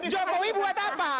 jokowi buat apa